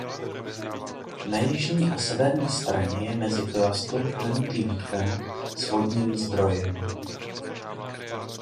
Na jižní a severní straně je mezi pilastry klenutý výklenek s vodním zdrojem.